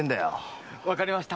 わかりました。